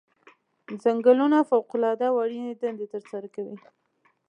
ځنګلونه فوق العاده او اړینې دندې ترسره کوي.